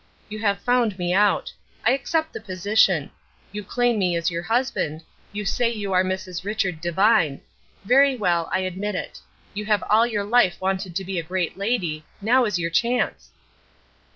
You have found me out. I accept the position. You claim me as your husband. You say you are Mrs. Richard Devine. Very well, I admit it. You have all your life wanted to be a great lady. Now is your chance!"